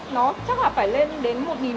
nó chắc là phải lên đến một nghìn độ c không cô